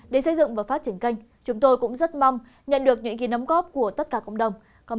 để xây dựng và phát triển kênh chúng tôi cũng rất mong nhận được những ghi nấm góp của tất cả cộng đồng